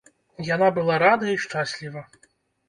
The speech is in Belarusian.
Яна была рада і шчасліва.